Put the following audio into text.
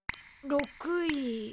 ６位。